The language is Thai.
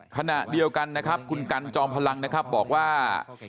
ขณะเดียวกันนะครับคุณกันจอมพลังนะครับบอกว่า